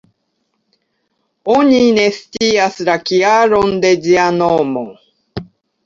Oni ne scias la kialon de ĝia nomo.